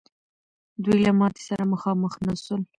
دوی له ماتي سره مخامخ نه سول.